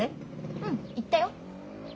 うん言ったよ。